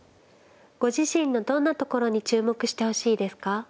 ご自身のどんなところに注目してほしいですか。